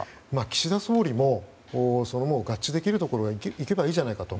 岸田総理も合致できるところはいけばいいじゃないかと。